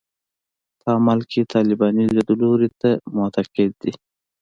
په عمل کې طالباني لیدلوري ته معتقد دي.